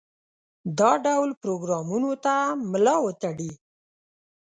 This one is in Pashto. دا ډول پروګرامونو ته ملا وتړي.